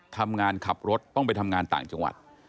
ขับรถต้องไปทำงานต่างจังหวัด